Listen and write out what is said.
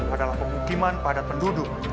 adalah pengukiman padat penduduk